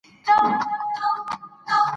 ماشومان د هیواد راتلونکي جوړونکي دي.